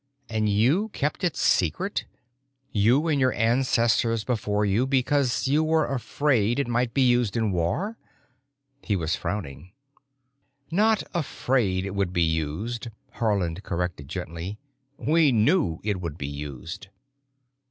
And you kept it secret—you and your ancestors before you because you were afraid it might be used in war?" He was frowning. "Not 'afraid' it would be used," Haarland corrected gently. "We knew it would be used."